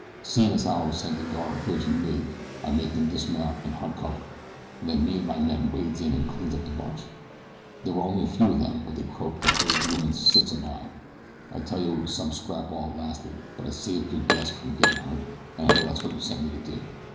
"Seein' as how I was sent to guard Bridge an' Mig, I makes them dismount and hunt cover, and then me an' my men wades in and cleans up the bunch. They was only a few of them but they croaked the whole bloomin' six o' mine. "I tell you it was some scrap while it lasted; but I saved your guests from gettin' hurted an' I know that that's what you sent me to do.